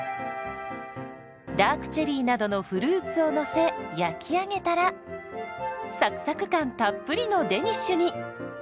ダークチェリーなどのフルーツをのせ焼き上げたらサクサク感たっぷりのデニッシュに。